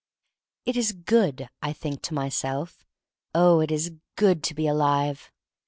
It is good," I think to myself, oh, it is good to be alive!